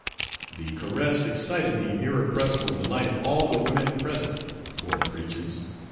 The caress excited the irrepressible delight of all the women present poor creatures!